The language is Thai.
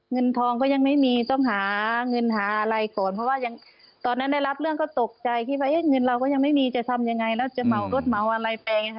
เงินทองก็ยังไม่มีต้องหาเงินหาอะไรก่อนเพราะว่ายังตอนนั้นได้รับเรื่องก็ตกใจคิดว่าเงินเราก็ยังไม่มีจะทำยังไงแล้วจะเหมารถเหมาอะไรไปค่ะ